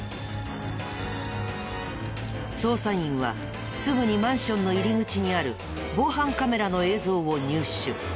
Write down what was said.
捜査員はすぐにマンションの入り口にある防犯カメラの映像を入手。